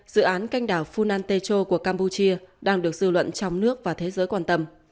dự án canh đảo funatecho của campuchia đang được dư luận trong nước và thế giới quan tâm